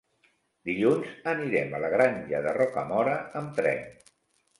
Dilluns anirem a la Granja de Rocamora amb tren.